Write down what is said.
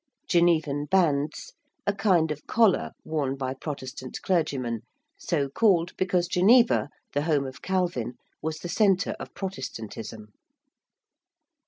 ~Genevan bands~: a kind of collar worn by Protestant clergymen, so called because Geneva, the home of Calvin, was the centre of Protestantism.